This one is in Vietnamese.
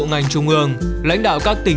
ngành trung ương lãnh đạo các tỉnh